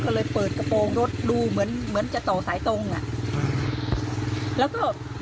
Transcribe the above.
ก็เลยเปิดกระโปรงรถดูเหมือนเหมือนจะต่อสายตรงอ่ะแล้วก็